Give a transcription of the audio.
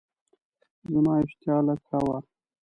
زما اشتها لږه ښه وه.